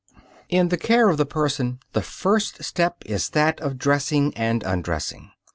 ] In the care of the person the first step is that of dressing and undressing.